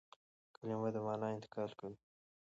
کلیمه د مانا انتقال کوي.